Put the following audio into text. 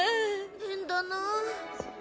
変だなあ。